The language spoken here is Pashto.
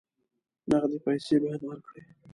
نقدې پیسې باید ورکړې.